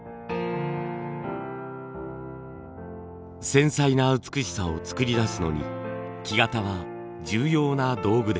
繊細な美しさを作り出すのに木型は重要な道具です。